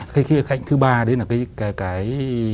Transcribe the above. cái kết hợp thứ ba đấy là cái